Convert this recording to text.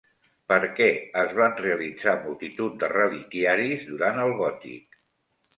Per què es van realitzar multitud de reliquiaris durant el gòtic?